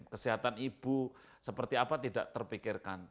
kesehatan ibu seperti apa tidak terpikirkan